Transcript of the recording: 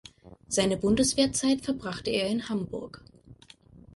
Seine Bundeswehrzeit verbrachte er in Hamburg.